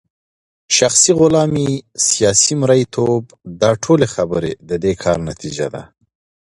شخصي غلامې ، سياسي مريتوب داټولي خبري ددي كار نتيجه ده